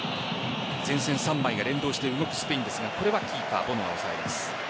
前線３枚が連動して動くスペインですがこれはキーパー・ボノ。